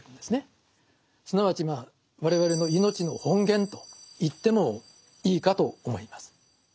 すなわちまあ我々の命の本源と言ってもいいかと思います。